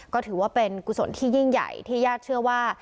ก็ถือว่าเป็นกุศลที่ยิ่งใหญ่ที่ญาติเชื่อว่า